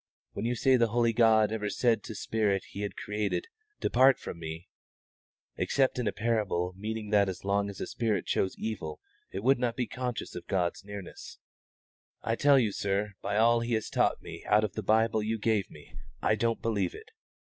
When you say the holy God ever said to spirit He had created, 'Depart from Me' (except in a parable meaning that as long as a spirit chose evil it would not be conscious of God's nearness), I tell you, sir, by all He has taught me out of the Bible you gave me, I don't believe it.